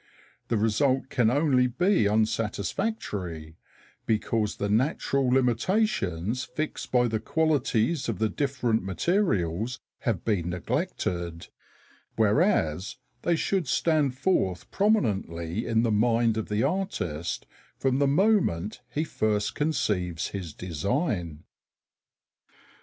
The result can only be unsatisfactory because the natural limitations fixed by the qualities of the different materials have been neglected, whereas they should stand forth prominently in the mind of the artist from the moment he first conceives his design.